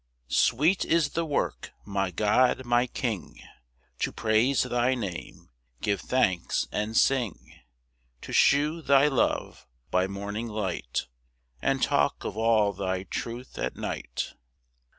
1 Sweet is the work, my God my King, To praise thy Name, give thanks and sing, To shew thy love by morning light, And talk of all thy truth at night.